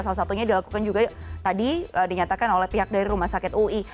salah satunya dilakukan juga tadi dinyatakan oleh pihak dari rumah sakit ui